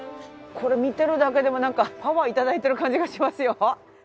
これ見てるだけでもなんかパワーいただいてる感じがしますよ。